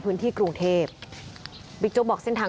เมื่อวานแบงค์อยู่ไหนเมื่อวาน